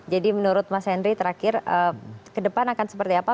jadi menurut mas henry terakhir kedepan akan seperti apa